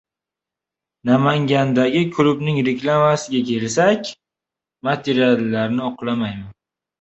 Namangandagi klubning reklamasiga kelsak, materialni oqlamayman.